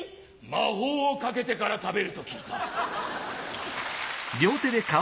魔法をかけてから食べると聞いた。